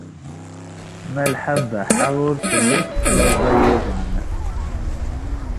Malḥa Baḥa ur telli teslaẓay iḍan.